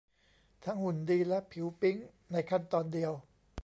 ทั้งหุ่นดีและผิวปิ๊งในขั้นตอนเดียว